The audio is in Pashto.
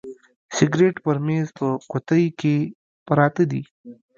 سګرېټ پر میز په قوطۍ کي پراته دي.